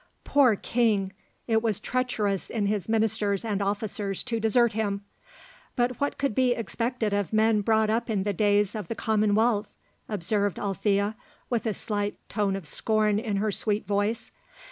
"Poor king! it was treacherous in his ministers and officers to desert him; but what could be expected of men brought up in the days of the Commonwealth?" observed Alethea, with a slight tone of scorn in her sweet voice.